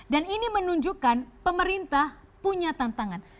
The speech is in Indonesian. dan ini menunjukkan pemerintah punya tantangan